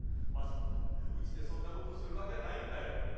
まさかうちでそんなことするわきゃないんだよ。